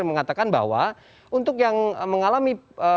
mengatakan bahwa untuk yang mengalami